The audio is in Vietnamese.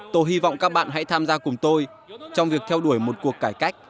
tôi hy vọng các bạn hãy tham gia cùng tôi trong việc theo đuổi một cuộc cải cách